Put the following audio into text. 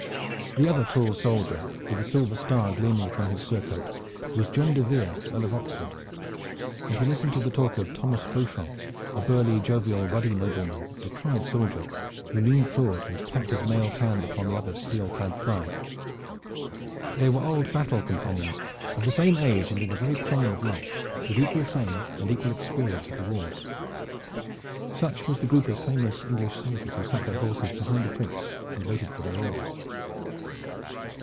The other tall silent soldier, with the silver star gleaming upon his surcoat, was John de Vere, Earl of Oxford, and he listened to the talk of Thomas Beauchamp, a burly, jovial, ruddy nobleman and a tried soldier, who leaned forward and tapped his mailed hand upon the other's steel clad thigh. They were old battle companions, of the same age and in the very prime of life, with equal fame and equal experience of the wars. Such was the group of famous English soldiers who sat their horses behind the Prince and waited for their orders.